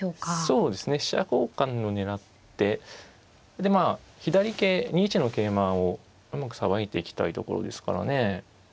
そうですね飛車交換を狙ってでまあ左桂２一の桂馬をうまくさばいていきたいところですからね。